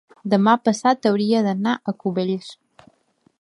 demà passat hauria d'anar a Cubells.